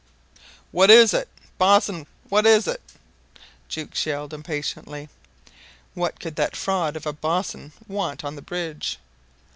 "What is it, boss'n, what is it?" yelled Jukes, impatiently. What could that fraud of a boss'n want on the bridge?